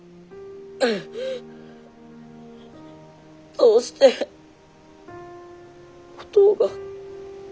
どうしておとうが。